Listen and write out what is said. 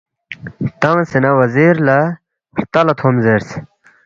تنگسے نہ وزیر لہ ہرتا لہ تھوم زیرس